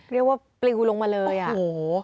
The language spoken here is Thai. เรียกว่าปลิวลงมาเลยอ่ะโอ้โห